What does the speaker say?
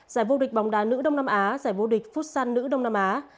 giải vô địch bóng đá nữ đông nam á giải vô địch futsal nữ đông nam á